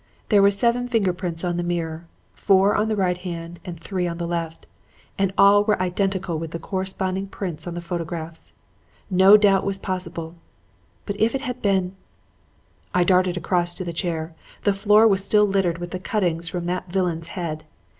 There were seven finger prints on the mirror; four on the right hand and three on the left, and all were identical with the corresponding prints in the photographs. No doubt was possible. But if it had been "I darted across to the chair. The floor was still littered with the cuttings from that villain's head.